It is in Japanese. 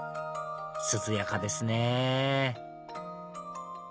涼やかですねぇ